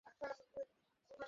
যা শুনেছি তা কি সত্য?